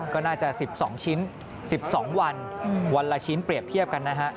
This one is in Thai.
ก็น่าจะ๑๒ชิ้น๑๒วันวันละชิ้นเปรียบเทียบกันนะฮะ